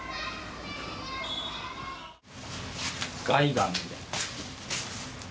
ガイガンみたいな。